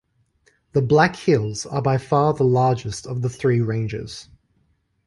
The Black Hills are by far the largest of the three ranges.